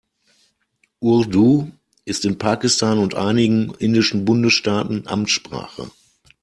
Urdu ist in Pakistan und einigen indischen Bundesstaaten Amtssprache.